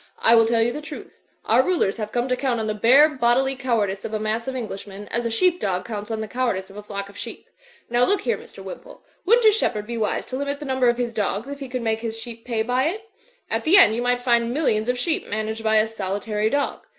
I will tell you the truth. Our rulers have come to count on the bare bodily cowardice of a mass of Englishmen, as a sheep dog cotmts on the cowardice of a flock of sheep. Now, look here, Mr. Wimpole, wouldn't a shepherd be wise to limit the number of his dogs if he could make his sheep pay by it? At the end you might find millions of sheep managed by a solitary dog.